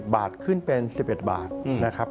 บาทขึ้นเป็น๑๑บาทนะครับ